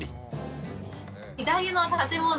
左の建物！